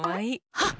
はっ！